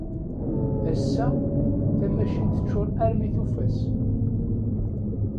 Ass-a, tamacint teččuṛ armi tufas.